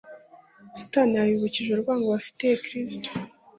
Satani yabibukije urwango bafitiye Kristo,